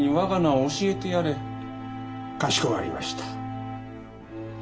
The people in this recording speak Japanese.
かしこまりました。